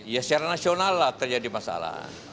ya secara nasional lah terjadi masalah